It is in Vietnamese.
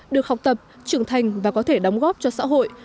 được học tập trưởng thành và có thể đóng góp cho xã hội